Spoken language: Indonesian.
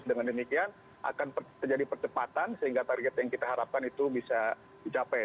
dengan demikian akan terjadi percepatan sehingga target yang kita harapkan itu bisa dicapai